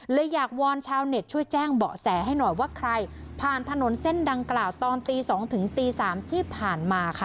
อยากวอนชาวเน็ตช่วยแจ้งเบาะแสให้หน่อยว่าใครผ่านถนนเส้นดังกล่าวตอนตี๒ถึงตี๓ที่ผ่านมาค่ะ